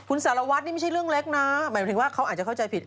คุณสารวัตรนี่ไม่ใช่เรื่องเล็กนะหมายถึงว่าเขาอาจจะเข้าใจผิด